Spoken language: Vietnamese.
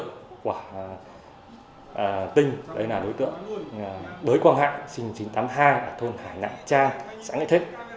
đối tượng tinh là đối tượng đối quan hạng sinh một nghìn chín trăm tám mươi hai ở thôn hải nạn trang xã nghệ thích